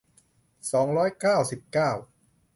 สองร้อยเก้าสิบเก้า